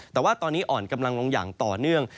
แต่ว่าตอนนี้อ่อนกำลังลงอย่างต่อเนื่อง